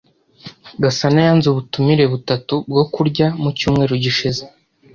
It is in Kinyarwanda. Gasana yanze ubutumire butatu bwo kurya mu cyumweru gishize.